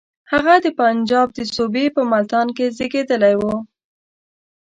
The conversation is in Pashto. هغه د پنجاب د صوبې په ملتان کې زېږېدلی وو.